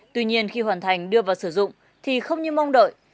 tuy nhiên khi hoàn thành đưa vào sử dụng thì không như mong đợi